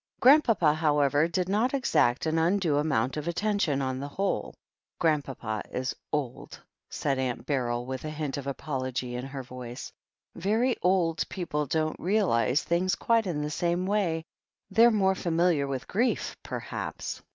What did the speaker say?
Grandpapa, however, did not exact an undue amount of attention, on the whole. "Grandpapa is old," said Aunt Beryl, with a hint of apology in her voice. "Very old people don't realize things quite in the same way — they're more familiar with grief, perhaps."